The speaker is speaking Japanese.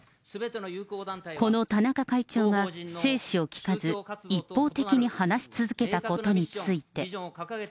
この田中会長は、制止を聞かず、一方的に話し続けたことについて。